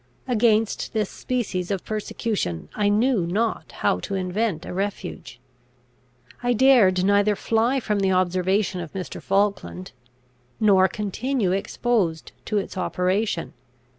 Against this species of persecution I knew not how to invent a refuge. I dared neither fly from the observation of Mr. Falkland, nor continue exposed to its operation.